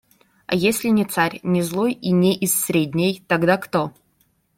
А если не царь, не злой и не из средней, тогда кто?